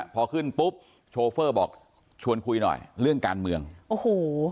พอขึ้นปุ๊บโชเฟอร์บอกชวนคุยหน่อยเรื่องการเมืองโอ้โห